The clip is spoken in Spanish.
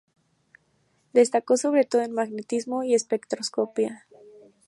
Destacó sobre todo en magnetismo y espectroscopia.